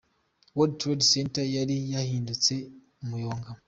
World Trade Center yari yahindutse umuyonga.